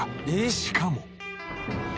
しかも。